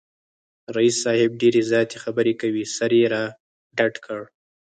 رییس صاحب ډېرې زیاتې خبری کوي، سر یې را ډډ کړ